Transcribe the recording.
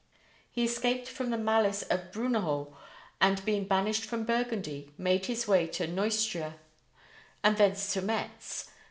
He escaped from the malice of Brunehaut, and, being banished from Burgundy, made his way to Neustria, and thence to Metz.